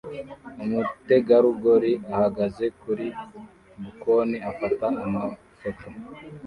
Umutegarugori ahagaze kuri bkoni afata amafoto